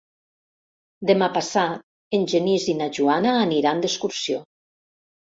Demà passat en Genís i na Joana aniran d'excursió.